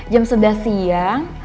jam sebelas siang